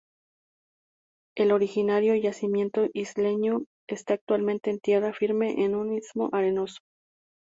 El originario yacimiento isleño está actualmente en tierra firme en un istmo arenoso.